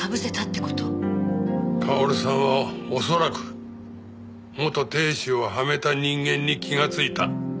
薫さんは恐らく元亭主をはめた人間に気がついた。